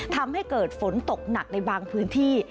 ทำให้เกิดฝนตกหนักในบางพื้นที่